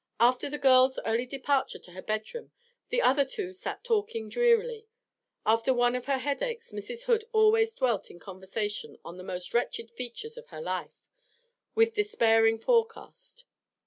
After the girl's early departure to her bedroom the other two sat talking drearily; after one of her headaches Mrs. Hood always dwelt in conversation on the most wretched features of her life, with despairing forecast.